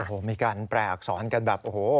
โอ้โหมีการแปลอักษรกันแบบโอ้โห